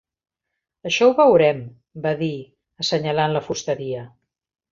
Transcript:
"Això ho veurem", va dir, assenyalant la fusteria.